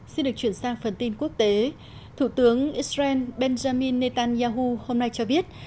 xin được chuyển sang phần tin quốc tế thủ tướng israel benjamin netanyahu hôm nay cho biết